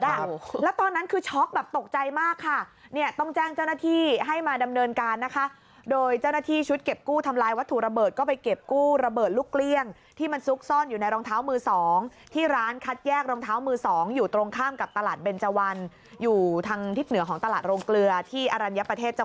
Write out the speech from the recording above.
แล้วตอนนั้นคือช็อกแบบตกใจมากค่ะเนี่ยต้องแจ้งเจ้าหน้าที่ให้มาดำเนินการนะคะโดยเจ้าหน้าที่ชุดเก็บกู้ทำลายวัตถุระเบิดก็ไปเก็บกู้ระเบิดลูกเกลี้ยงที่มันซุกซ่อนอยู่ในรองเท้ามือสองที่ร้านคัดแยกรองเท้ามือสองอยู่ตรงข้ามกับตลาดเบนเจวันอยู่ทางทิศเหนือของตลาดโรงเกลือที่อรัญญประเทศจะ